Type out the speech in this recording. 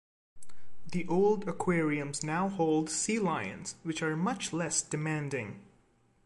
The old aquariums now hold sea lions, which are much less demanding.